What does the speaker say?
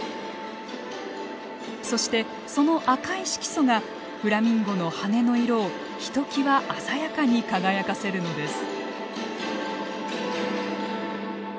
そしてその赤い色素がフラミンゴの羽根の色をひときわ鮮やかに輝かせるのです。